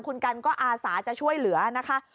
คุณกันก็อาสาจะช่วยเหลือนะคะ